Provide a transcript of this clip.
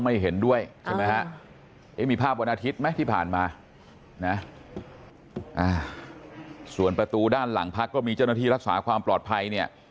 ไม่เห็นด้วยใช่ไหมฮะมีภาพวันอาทิตย์ไหมที่ผ่านมานะส่วนประตูด้านหลังพักก็มีเจ้าหน้าที่รักษาความปลอดภัยเนี่ย